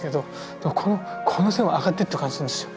でもこの線は上がっていった感じするんですよ。